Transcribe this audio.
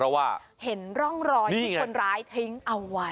เพราะว่าเห็นร่องรอยที่คนร้ายทิ้งเอาไว้